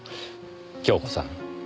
恭子さん